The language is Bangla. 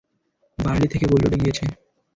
বারেলী থেকে বলিউডে গিয়েছে।